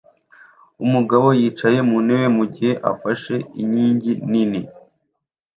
umugabo yicaye ku ntebe mugihe afashe inkingi nini